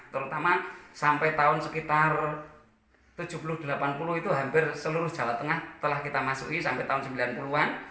terutama sampai tahun sekitar tujuh puluh delapan puluh itu hampir seluruh jawa tengah telah kita masuki sampai tahun sembilan puluh an